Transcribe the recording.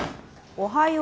おはよう。